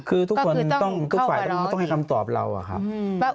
คือทุกคนทุกฝ่ายต้องให้คำตอบเราอะครับ